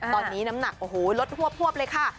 ตอนนี้น้ำหนักโอ้โหลดฮวบเลยค่ะ